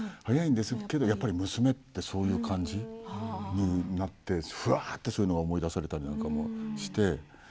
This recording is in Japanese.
早いんですけど、やっぱり娘ってそういう感じ？になってうわあってそういうのが思い出されたりして。